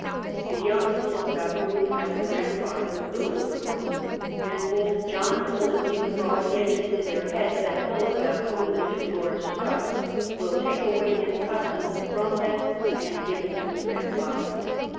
The young Philip Baboon has a grandfather, Lewis Baboon, and both John Bull and Nick Frog get it VOL. II. X 306 THE REIGN OF QUEEN ANNE. ch. xxxv. into their heads that Philip Baboon, the new Lord Strutt, will take away his custom from them and give it to his grandfather.